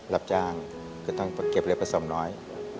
รับจ้างก็ต้องเก็บเหลือส่วนประสอบน้อย